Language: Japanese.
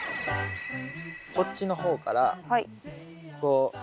こっちの方からこうすくって